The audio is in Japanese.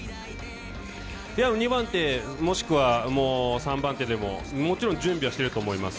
２番手、もしくは３番手でも、もちろん準備はしてると思います。